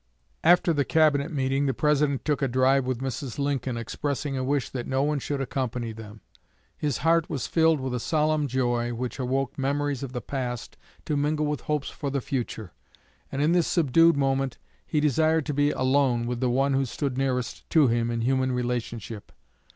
After the Cabinet meeting the President took a drive with Mrs. Lincoln, expressing a wish that no one should accompany them. His heart was filled with a solemn joy, which awoke memories of the past to mingle with hopes for the future; and in this subdued moment he desired to be alone with the one who stood nearest to him in human relationship.